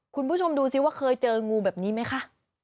คุณผู้ชมดูสิว่าเคยเจองูแบบนี้ไหมคะ